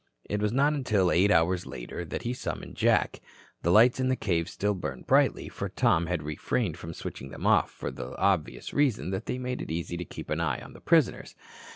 It was not until eight hours later that he summoned Jack. The lights in the cave still burned brightly, for Tom had refrained from switching them off for the obvious reason that they made it easy to keep an eye on the prisoners.